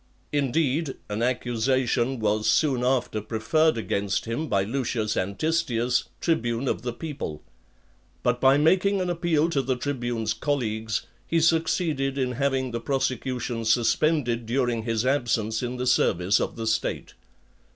Indeed, an accusation was soon after preferred against him by Lucius Antistius, tribune of the people; but by making an appeal to the tribune's colleagues, he succeeded in having the prosecution suspended during his absence in the service of the state.